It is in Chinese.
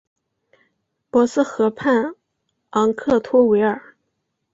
博斯河畔昂克托维尔。